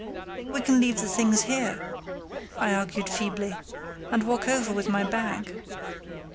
"We can leave the things here," I argued feebly, "and walk over with my bag."